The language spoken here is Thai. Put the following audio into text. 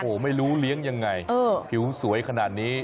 โอ้โหไม่รู้เลี้ยงยังไงผิวสวยขนาดนี้